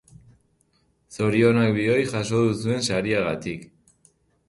Zorionak bioi jaso duzuen sariagatik.